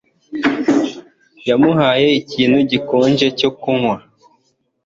yamuhaye ikintu gikonje cyo kunywa